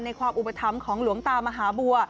ในความอุปธรรมของหลวงตามหาบัว